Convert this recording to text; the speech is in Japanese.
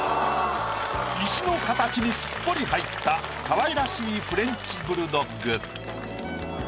石の形にすっぽり入った可愛らしいフレンチブルドッグ。